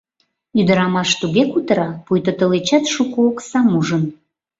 Ӱдырамаш туге кутыра, пуйто тылечат шуко оксам ужын.